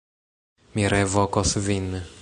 Mi revokos vin.